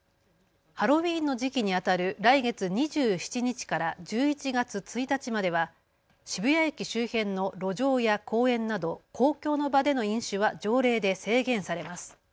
ハロウィーンの時期にあたる来月２７日から１１月１日までは渋谷駅周辺の路上や公園など公共の場での飲酒は条例で制限されます。